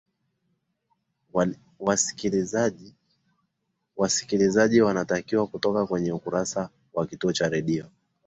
wasikilizaji wanatakiwa kutoka kwenye ukurasa wa kituo cha redio